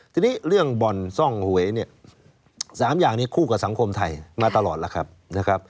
ทีนี้เรื่องบ่อนซ่องหวยเนี่ย๓อย่างนี้คู่กับสังคมไทยมาตลอดแล้วครับนะครับ